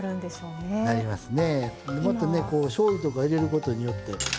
もっとねこうしょうゆとか入れることによって。